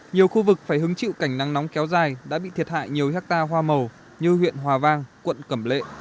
nhiều khu vực phải hứng chịu cảnh nắng nóng kéo dài đã bị thiệt hại nhiều hectare hoa màu như huyện hòa vang quận cẩm lệ